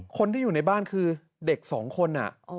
คนที่อยู่ในบ้านคือเด็กสองคน